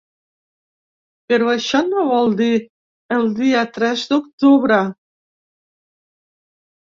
Però això no vol dir el dia tres d’octubre.